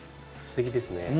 すてきですね。